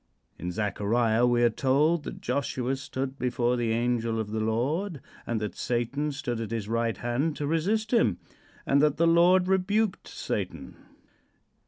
In Zachariah we are told that Joshua stood before the angel of the Lord, and that Satan stood at his right hand to resist him, and that the Lord rebuked Satan.